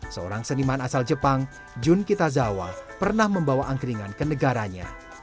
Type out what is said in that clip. seorang seniman asal jepang jun kitazawa pernah membawa angkringan ke negaranya